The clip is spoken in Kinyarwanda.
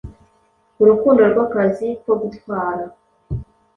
Urukundo rw’akazi ko gutwara